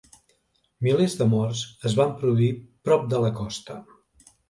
Milers de morts es van produir prop de la costa.